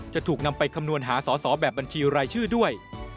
จะถูกนำไปคำนวณหาสอสอแบบบัญชีรายชื่อด้วย